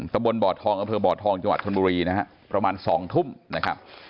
ตะบนบ่อทองอำเภอบ่อทองจังหวัดชนบุรีนะฮะประมาณ๒ทุ่มนะครับ